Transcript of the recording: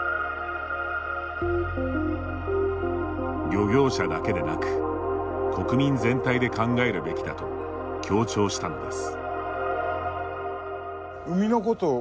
漁業者だけでなく国民全体で考えるべきだと強調したのです。